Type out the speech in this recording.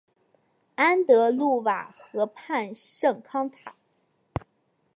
安德鲁瓦河畔圣康坦。